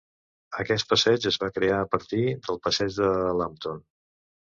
Aquest passeig es va crear a partir del passeig de Lambton.